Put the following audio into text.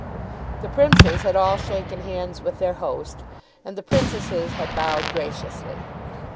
The Princes had all shaken hands with their host, and the Princesses had bowed graciously.